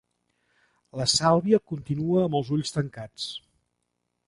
La Sàlvia continua amb els ulls tancats.